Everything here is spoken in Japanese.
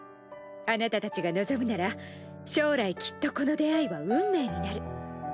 あなたたちが望むなら将来きっとこの出会いは運命になる。